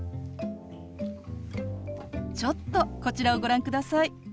ちょっとこちらをご覧ください。